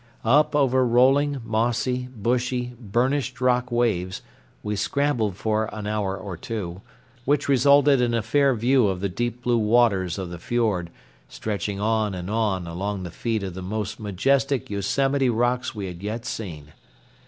Up over rolling, mossy, bushy, burnished rock waves we scrambled for an hour or two, which resulted in a fair view of the deep blue waters of the fiord stretching on and on along the feet of the most majestic Yosemite rocks we had yet seen.